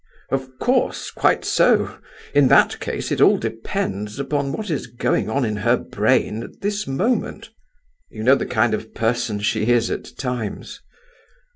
"Of course; quite so. In that case it all depends upon what is going on in her brain at this moment." "You know the kind of person she is at times."